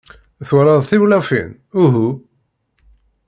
Twalaḍ tiwlafin, uhu?